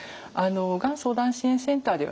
がん相談支援センターではですね